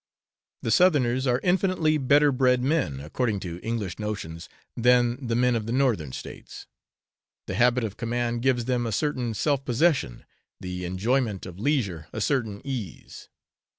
The Southerners are infinitely better bred men, according to English notions, than the men of the Northern States. The habit of command gives them a certain self possession, the enjoyment of leisure a certain ease.